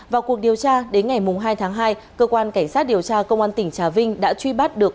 vào cuộc điều tra đến ngày hai tháng hai cơ quan cảnh sát điều tra công an tỉnh trà vinh đã truy bắt được